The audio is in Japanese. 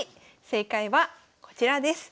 正解はこちらです。